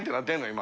今。